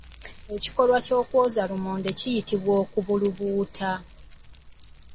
Ekikolwa ekyokwoza lumonde kiyitibwa Okubulubuuta.